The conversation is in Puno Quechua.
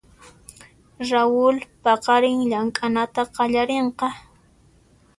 Raul paqarin llamk'ananta qallarinqa.